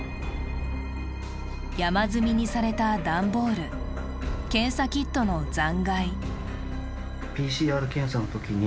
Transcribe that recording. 山積みにされた段ボール、検査キットの残骸。